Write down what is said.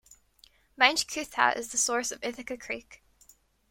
Mount Coot-tha is the source of Ithaca Creek.